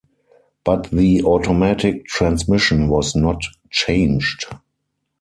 But the automatic transmission was not changed.